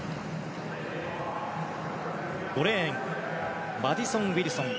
５レーンマディソン・ウィルソン。